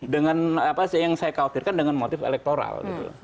dengan apa yang saya khawatirkan dengan motif elektoral